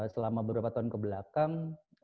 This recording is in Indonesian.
selama beberapa tahun kebelakang